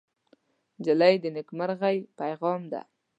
نجلۍ د نیکمرغۍ پېغام ده.